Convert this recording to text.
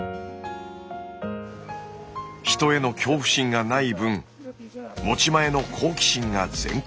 人への恐怖心がない分持ち前の好奇心が全開。